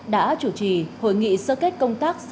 đã chủ trì hội nghị sơ kết công tác